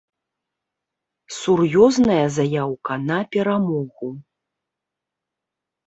Сур'ёзная заяўка на перамогу.